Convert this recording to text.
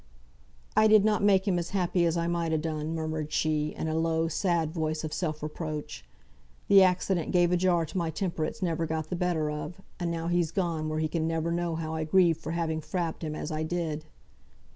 "I did not make him as happy as I might ha' done," murmured she, in a low, sad voice of self reproach. "Th' accident gave a jar to my temper it's never got the better of; and now he's gone where he can never know how I grieve for having frabbed him as I did."